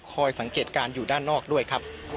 สังเกตการณ์อยู่ด้านนอกด้วยครับ